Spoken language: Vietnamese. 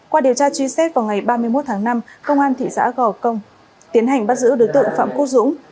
qua điều tra truy xét vào ngày ba mươi một tháng năm công an thị xã gò công tiến hành bắt giữ đối tượng phạm quốc dũng